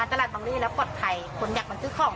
สตราตร์บางทีแล้วก่อนไทยคนยากมาซื้อของ